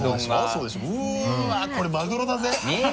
これマグロだぜ？